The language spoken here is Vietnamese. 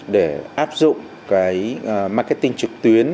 để áp dụng marketing trực tuyến